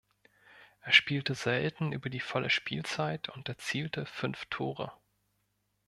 Er spielte selten über die volle Spielzeit und erzielte fünf Tore.